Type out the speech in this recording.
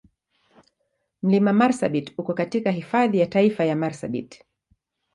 Mlima Marsabit uko katika Hifadhi ya Taifa ya Marsabit.